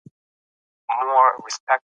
وطن د هر انسان د پېژندنې او هویت نښه ده.